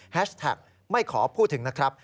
แท็กไม่ขอพูดถึงนะครับ